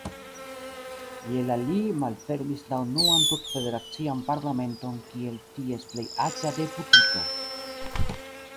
Je la li malfermis la unuan tut-federacian parlamenton kiel ties plej-aĝa deputito.